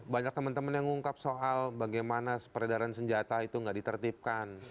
banyak teman teman yang ngungkap soal bagaimana peredaran senjata itu nggak ditertipkan